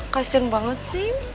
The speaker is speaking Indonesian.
kasihan banget sih